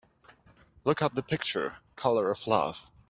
Look up the picture, Colour of Love.